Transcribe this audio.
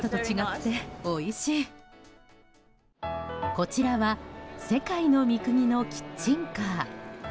こちらは世界の三國のキッチンカー。